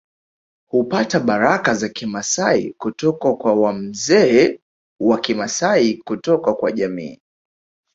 Hupata baraka za Kimasai kutoka kwa wamzee wa Kimasai kutoka kwa jamii